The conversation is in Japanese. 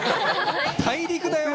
大陸だよ？